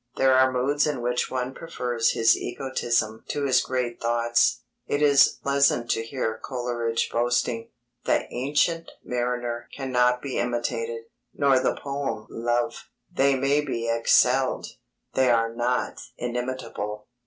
There are moods in which one prefers his egotism to his great thoughts. It is pleasant to hear Coleridge boasting; "The Ancient Mariner cannot be imitated, nor the poem Love. _They may be excelled; they are not imitable.